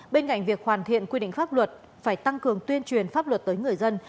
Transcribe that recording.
bên cạnh việc hoàn thiện quy định pháp luật phải tăng cường tuyên truyền pháp luật tới người dân